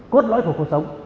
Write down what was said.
cốt lõi của cuộc sống